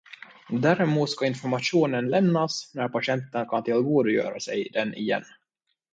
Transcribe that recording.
Däremot ska informationen lämnas när patienten kan tillgodogöra sig den igen.